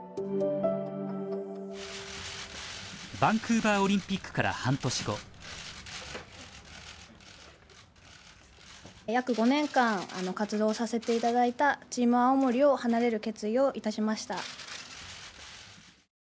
バンクーバーオリンピックから半年後約５年間活動させて頂いたチーム青森を離れる決意をいたしました。